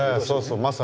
そうそう。